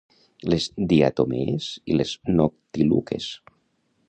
Les diatomees i les noctiluques.